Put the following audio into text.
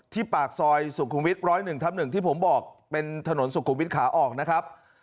ปากซอยสุขุมวิท๑๐๑ทับ๑ที่ผมบอกเป็นถนนสุขุมวิทย์ขาออกนะครับ